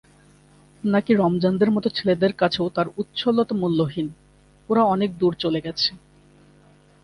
নাকি রমজানদের মত ছেলেদের কাছেও তার উচ্ছলতা মূল্যহীন? ওরা অনেক দূর চলে গেছে।